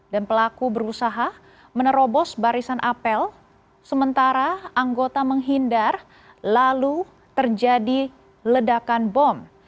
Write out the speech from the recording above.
dan pelaku berusaha menerobos barisan apel sementara anggota menghindar lalu terjadi ledakan bom